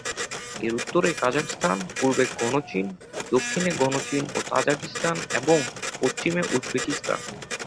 এর উত্তরে কাজাখস্তান, পূর্বে গণচীন, দক্ষিণে গণচীন ও তাজিকিস্তান এবং পশ্চিমে উজবেকিস্তান।